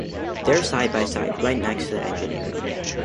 They're side by side right next to the engine area.